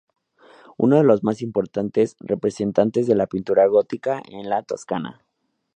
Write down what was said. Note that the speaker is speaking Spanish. Uno de los más importantes representantes de la pintura gótica en la Toscana.